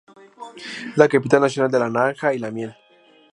Es la capital nacional de la "naranja" y la "miel".